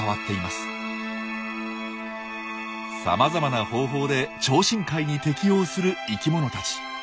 さまざまな方法で超深海に適応する生きものたち。